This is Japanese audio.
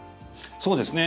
そうですね。